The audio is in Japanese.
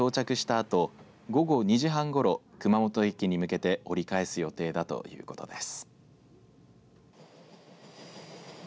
あと午後２時半ごろ、熊本駅に向けて折り返す予定だということです。